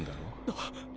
あっ。